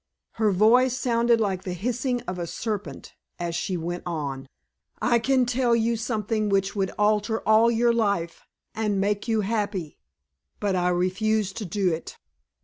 Her voice sounded like the hissing of a serpent as she went on: "I can tell you something which would alter all your life, and make you happy, but I refuse to do it.